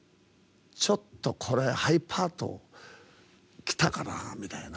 ちょっと、これハイパートきたかな？みたいな。